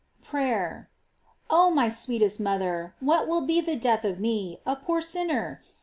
* PEAYER. Oh my sweetest mother, what will be the death of me, a poor sinner?